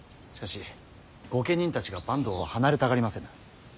しかし御家人たちが坂東を離れたがりませぬ。